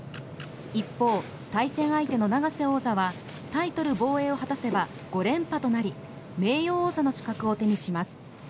一方、対戦相手の永瀬王座はタイトル防衛を果たせば５連覇となり名誉王座の資格を手にします。